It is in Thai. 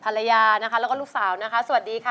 ภรรยานะคะแล้วก็ลูกสาวนะคะสวัสดีค่ะ